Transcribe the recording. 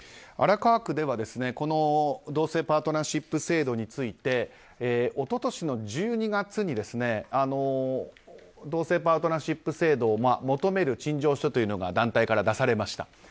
荒川区では同性パートナーシップ制度について一昨年の１２月に同性パートナーシップ制度を求める陳情書が団体から出されました。